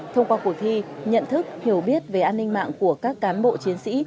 thông qua cuộc thi nhận thức hiểu biết về an ninh mạng của các cán bộ chiến sĩ